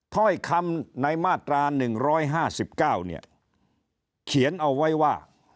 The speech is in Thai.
ถ่อยคำในมาตรา๑๕๙